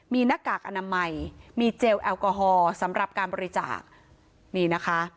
มีหน้ากากอนามัยมีเจลแอลกอฮอล์สำหรับการบริจาคนี่นะคะ